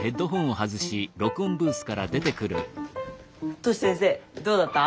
トシ先生どうだった？